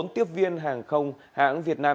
bốn tiếp viên hàng không hãng việt nam